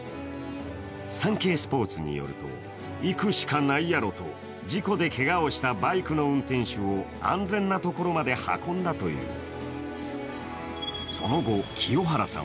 サンケイスポーツによると行くしかないやろと、事故でけがをしたバイクの運転手を安全なところまで運んだという。